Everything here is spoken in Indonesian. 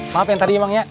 makasih ya mang ya